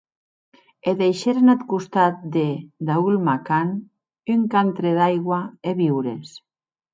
E deishèren ath costat de Daul’makan, un cantre d’aigua e viures.